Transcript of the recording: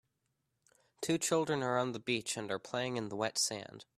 Two children are on the beach and are playing in the wet sand.